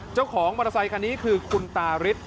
เจ้าของมอเตอร์ไซต์คันนี้คือคุณตาริส